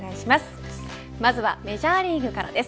まずはメジャーリーグからです。